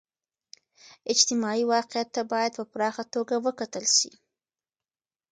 اجتماعي واقعیت ته باید په پراخه توګه و کتل سي.